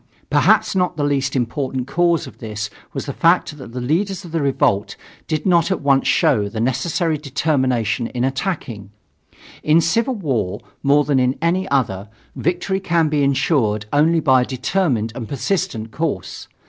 Perhaps not the least important cause of this was the fact that the leaders of the revolt did not at once show the necessary determination in attacking. In civil war, more than in any other, victory can be insured only by a determined and persistent course.